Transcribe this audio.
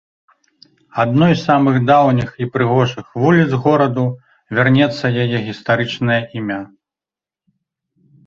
Адной з самых даўніх і прыгожых вуліц гораду вернецца яе гістарычнае імя.